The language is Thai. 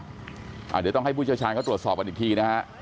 เดี๋ยวต้องให้บุญชาชาญก็ตรวจสอบอันอีกทีนะครับ